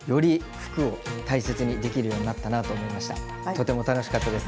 とても楽しかったです。